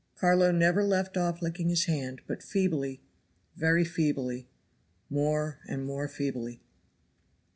Carlo never left off licking his hand, but feebly, very feebly, more and more feebly.